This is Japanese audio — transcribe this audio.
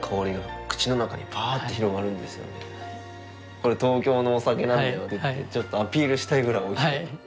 これ東京のお酒なんだよってちょっとアピールしたいぐらいおいしかったです。